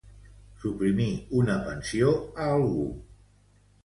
Suprimir una pensió a algú.